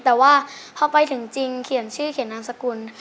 แต่ว่าพอไปถึงจริงเขียนชื่อเขียนนามสกุล